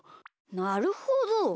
なるほど。